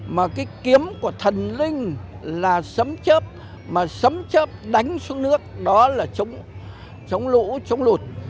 mà cái kiếm của thần linh là sấm chấp mà sấm chấp đánh xuống nước đó là chống lũ chống lụt